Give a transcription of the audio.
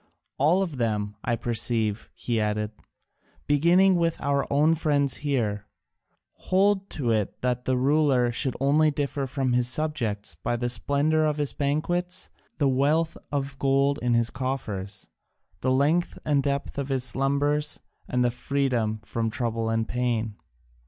All of them, I perceive," he added, "beginning with our own friends here, hold to it that the ruler should only differ from his subjects by the splendour of his banquets, the wealth of gold in his coffers, the length and depth of his slumbers, and his freedom from trouble and pain.